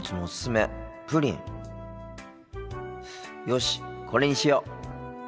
よしこれにしよう。